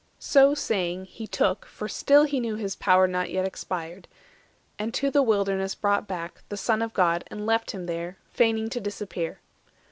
So saying, he took (for still he knew his power Not yet expired), and to the Wilderness Brought back, the Son of God, and left him there, Feigning to disappear.